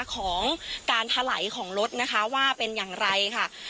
ของการถลายของรถนะคะว่าเป็นอย่างไรค่ะ